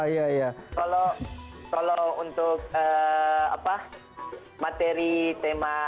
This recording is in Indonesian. kalau untuk materi tema